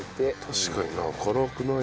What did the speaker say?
確かにな。